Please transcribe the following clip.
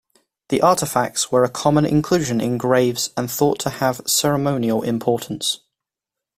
The artifacts were a common inclusion in graves and thought to have ceremonial importance.